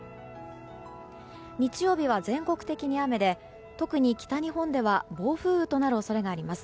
日曜日は全国的に雨で特に北日本では暴風雨となる恐れがあります。